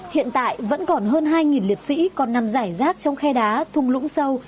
hiện tại vẫn còn hơn hai liệt sĩ còn nằm giải rác trong khe đá thung lũng sâu